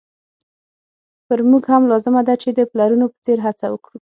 پر موږ هم لازمه ده چې د پلرونو په څېر هڅه وکړو.